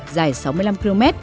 dài sáu mươi năm km